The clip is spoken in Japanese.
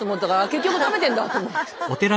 結局食べてんだと思って。